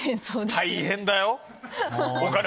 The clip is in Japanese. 大変だよ。